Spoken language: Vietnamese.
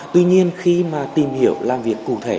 tuy nhiên khi mà tìm hiểu làm việc cụ thể